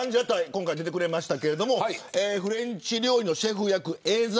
今回、出てくれましたけどフレンチ料理のシェフ役のえ